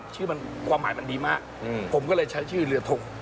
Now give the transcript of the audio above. ชื่อมันความหมายมันดีมากผมก็เลยใช้ชื่อเรือทง